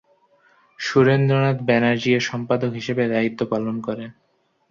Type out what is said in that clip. সুরেন্দ্রনাথ ব্যানার্জী এর সম্পাদক হিসাবে দায়িত্ব পালন করেন।